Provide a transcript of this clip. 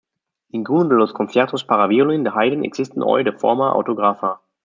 Ninguno de los conciertos para violín de Haydn existen hoy de forma autógrafa.